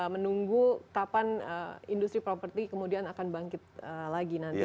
menunggu kapan industri property kemudian akan bangkit lagi nantinya